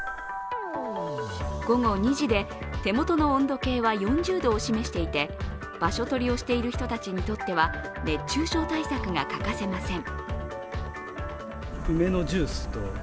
午後２時で手元の温度計は４０度を示していて場所取りをしている人たちにとっては熱中症対策が欠かせません。